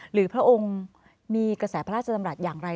พระองค์มีกระแสพระราชดำรัฐอย่างไร